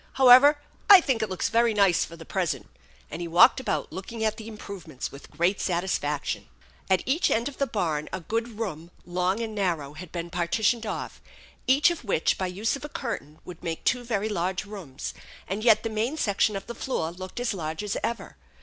However, I think it looks very nice for the present "; and he walked about, looking at the improvements with great satisfaction. At each end of the barn a good room, long and narrow, had been partitioned off, each of which by use of a curtain would make two very large rooms, and yet the main section of the floor looked as large as ever.